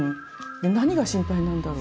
で何が心配なんだろう？